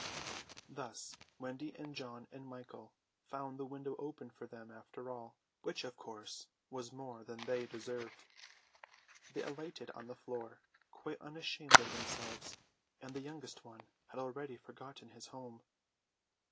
Thus Wendy and John and Michael found the window open for them after all, which of course was more than they deserved. They alighted on the floor, quite unashamed of themselves, and the youngest one had already forgotten his home.